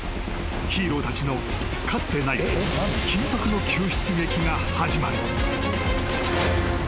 ［ヒーローたちのかつてない緊迫の救出劇が始まる］